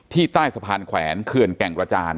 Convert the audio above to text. ใต้สะพานแขวนเขื่อนแก่งกระจาน